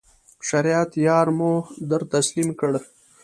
شریعت یار مو در تسلیم کړ.